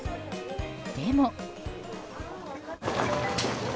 でも。